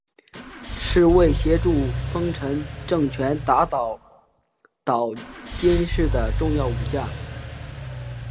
是为协助丰臣政权打倒岛津氏的重要武将。